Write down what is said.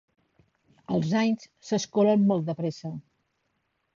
Els anys s'escolen molt de pressa.